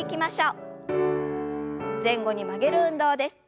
前後に曲げる運動です。